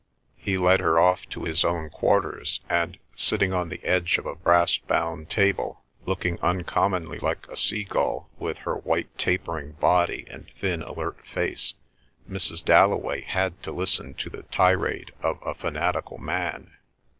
He led her off to his own quarters, and, sitting on the edge of a brass bound table, looking uncommonly like a sea gull, with her white tapering body and thin alert face, Mrs. Dalloway had to listen to the tirade of a fanatical man.